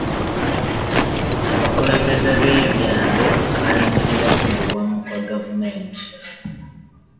Abakulembeze b'ebyalo balindirira kuddibwamu kwa gavumenti.